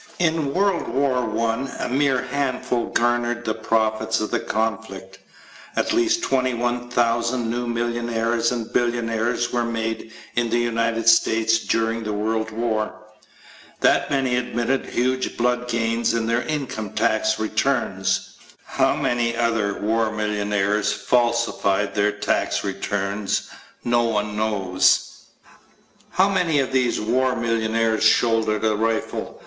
In the World War [I] a mere handful garnered the profits of the conflict. At least 21,000 new millionaires and billionaires were made in the United States during the World War. That many admitted their huge blood gains in their income tax returns. How many other war millionaires falsified their tax returns no one knows. How many of these war millionaires shouldered a rifle?